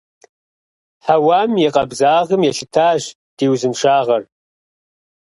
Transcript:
Хьэуам и къабзагъым елъытащ ди узыншагъэр.